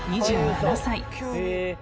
２７歳］